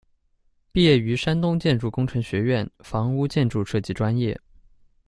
毕业于山东建筑工程学院房屋建筑设计专业。